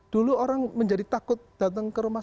dulu orang menjadi takut datang ke rumah